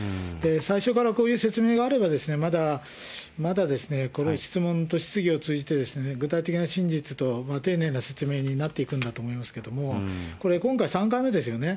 最初からこういう説明があれば、まだ、この質問と質疑を通じて具体的な真実と丁寧な説明になっていくんだと思いますけれども、これ今回３回目ですよね。